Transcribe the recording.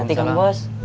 dut udah mulai ngantuk